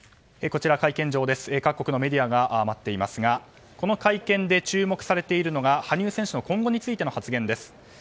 各国のメディアが待っていますがこの会見で注目されているのが羽生選手の今後についての発言です。